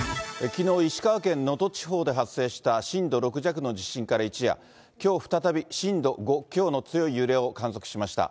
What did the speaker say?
きのう、石川県能登地方で発生した震度６弱の地震から一夜、きょう再び、震度５強の強い揺れを観測しました。